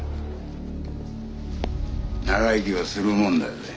長生きはするもんだぜ。